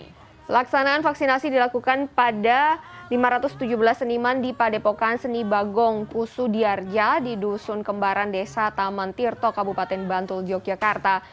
pelaksanaan vaksinasi dilakukan pada lima ratus tujuh belas seniman di padepokan seni bagong pusu diarja di dusun kembaran desa taman tirto kabupaten bantul yogyakarta